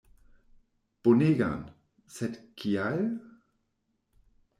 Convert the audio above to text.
Bonegan, sed kial?